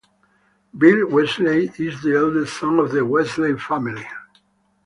Bill Weasley is the eldest son of the Weasley family.